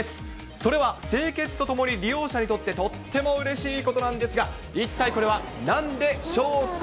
それは清潔とともに利用者にとってとってもうれしいことなんですが、一体これはなんでしょうか？